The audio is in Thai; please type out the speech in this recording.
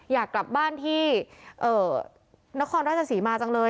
อยากกลับบ้านที่เอ่อนครราชสี่มาจังเลยอ่ะ